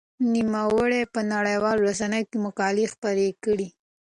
نوموړي په نړيوالو رسنيو کې مقالې خپرې کړې.